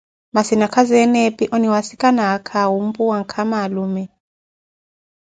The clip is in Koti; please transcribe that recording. Massi sikuzeene epi, aniwaasikana aakha ompuwaka nkama alume.